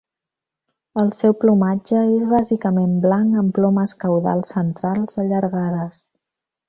El seu plomatge és bàsicament blanc, amb plomes caudals centrals allargades.